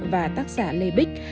và tác giả lê bích